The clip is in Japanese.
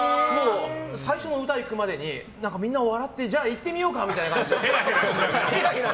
最初の歌にいくまでにみんな笑ってじゃあ行ってみようかみたいな感じで。